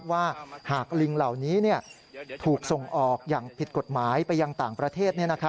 ว่าหากลิงเหล่านี้ถูกส่งออกอย่างผิดกฎหมายไปยังต่างประเทศ